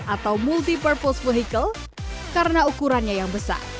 atau multi purpose vehicle karena ukurannya yang besar